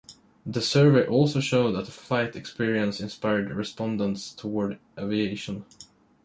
The survey also showed that a flight experience inspired respondents toward aviation.